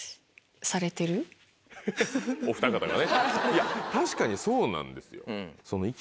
いや確かにそうなんですよ。